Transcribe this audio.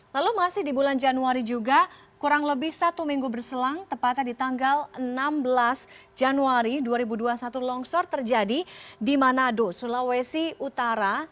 lalu masih di bulan januari juga kurang lebih satu minggu berselang tepatnya di tanggal enam belas januari dua ribu dua puluh satu longsor terjadi di manado sulawesi utara